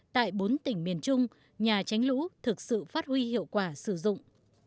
tại bốn tỉnh miền trung nhà tránh lũ thực sự phát huy hiệu quả sử dụng